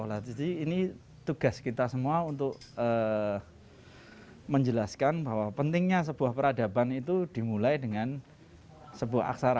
jadi tugas kita semua untuk menjelaskan bahwa pentingnya sebuah peradaban itu dimulai dengan sebuah aksara